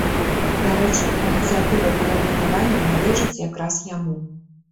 Дарэчы, ініцыятыва перайменавання належыць якраз яму.